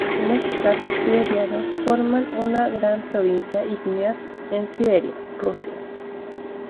Los "traps" siberianos forman una gran provincia ígnea en Siberia, Rusia.